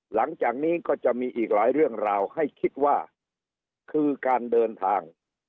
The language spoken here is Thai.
หลังจากนี้ก็จะมีอีกหลายเรื่องราวให้คิดว่าคือการเดินทาง